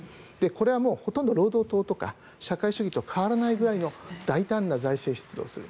これはほとんど労働党とか社会主義と変わらないぐらいの大胆な財政出動をする。